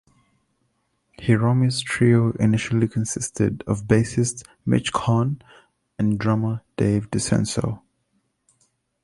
Hiromi's trio initially consisted of bassist Mitch Cohn and drummer Dave DiCenso.